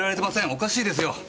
おかしいですよ！